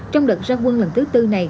trong đợt ra quân lần thứ tư này